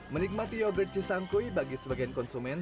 menikmati yogurt cisangkui bagi sebagian konsumen